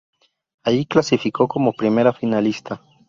Allí clasificó como primera finalista.